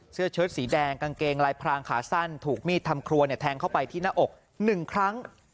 เชิดสีแดงกางเกงลายพรางขาสั้นถูกมีดทำครัวแทงเข้าไปที่หน้าอก๑ครั้ง